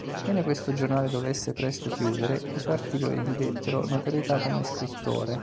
Sebbene questo giornale dovesse presto chiudere, i suoi articoli gli dettero notorietà come scrittore.